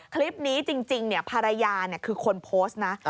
คลิปนี้จริงภรรยาคือคนโพสต์นะ